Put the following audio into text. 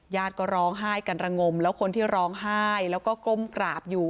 ญาติก็ร้องไห้กันระงมแล้วคนที่ร้องไห้แล้วก็ก้มกราบอยู่